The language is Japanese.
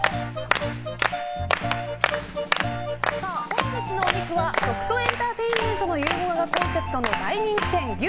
本日のお肉は食とエンターテインメントの融合がコンセプトの大人気店牛